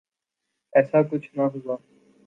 ایسا کچھ نہ ہوا۔